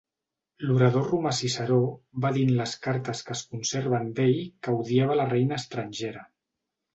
L'orador romà Ciceró va dir en les cartes que es conserven d'ell que odiava la reina estrangera.